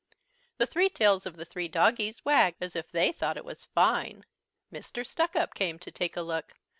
The three tails of three doggies wagged as if they thought it was fine. Mr. Stuckup came to take a look.